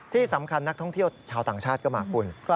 ที่สำคัญนักท่องเที่ยวชาวต่างชาติก็มาคุณ